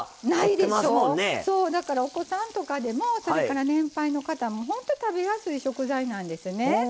そうだからお子さんとかでもそれから年配の方もほんとに食べやすい食材なんですね。